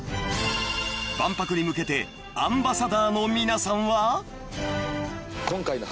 ［万博に向けてアンバサダーの皆さんは］